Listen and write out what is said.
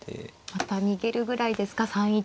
また逃げるぐらいですか３一。